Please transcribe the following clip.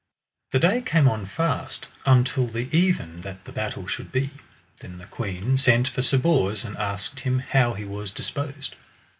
The day came on fast until the even that the battle should be. Then the queen sent for Sir Bors and asked him how he was disposed.